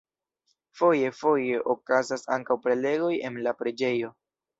Foje-foje okazas ankaŭ prelegoj en la preĝejo.